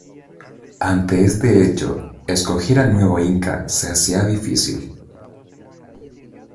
Ante este hecho, escoger al nuevo Inca se hacía difícil.